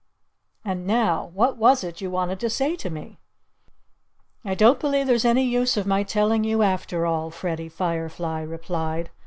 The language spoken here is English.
"And now, what was it you wanted to say to me?" "I don't believe there's any use of my telling you, after all," Freddie Firefly replied.